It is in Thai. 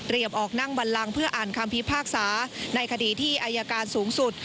ออกนั่งบันลังเพื่ออ่านคำพิพากษาในคดีที่อายการสูงสุด